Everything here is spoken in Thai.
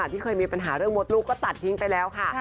ที่เคยมีปัญหาเรื่องมดลูกก็ตัดทิ้งไปแล้วค่ะ